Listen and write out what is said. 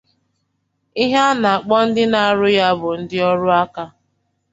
Ihe a na-akpọ ndi na-arụ ya "bụ ndi ọrụ aka".